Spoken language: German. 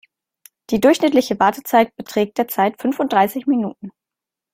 Die durchschnittliche Wartezeit beträgt derzeit fünfunddreißig Minuten.